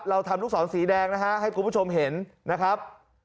เราทำลูกศรสีแดงนะฮะให้คุณผู้ชมเห็นนะครับ